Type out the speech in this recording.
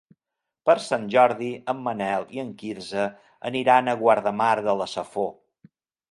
Per Sant Jordi en Manel i en Quirze aniran a Guardamar de la Safor.